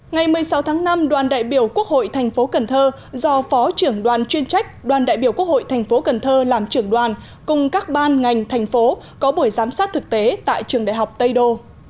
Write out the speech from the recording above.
ngày một mươi sáu tháng năm đoàn đại biểu quốc hội thành phố cần thơ do phó trưởng đoàn chuyên trách đoàn đại biểu quốc hội thành phố cần thơ làm trưởng đoàn cùng các ban ngành thành phố có buổi giám sát thực tế tại trường đại học tây đô